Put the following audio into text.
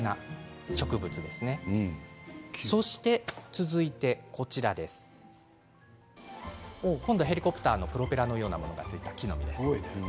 続いてはヘリコプターのプロペラのようなものがついた木の実です。